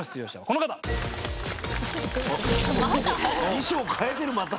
衣装替えてるまた。